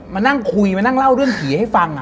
มานั่งคุยมานั่งเล่าเรื่องผีให้ฟัง